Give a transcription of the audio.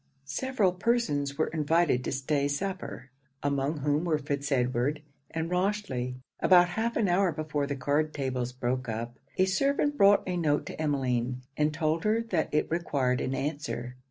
Several persons were invited to stay supper; among whom were Fitz Edward and Rochely. About half an hour before the card tables broke up, a servant brought a note to Emmeline, and told her that it required an answer.